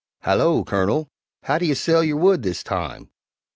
"Hallo, Colonel! How d'ye sell your wood this time?"